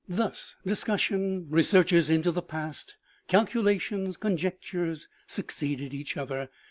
Thus discussion, researches into the past, calculations, conjectures succeeded each other.